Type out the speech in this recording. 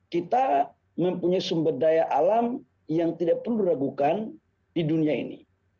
kita mempunyai sumber daya alam yang tidak perlu diragukan di dunia ini